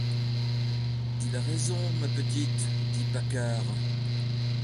Il a raison, ma petite, dit Paccard.